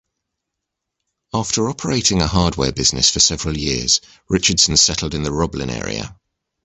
After operating a hardware business for several years, Richardson settled in the Roblin area.